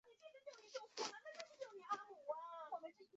宋能尔而知名。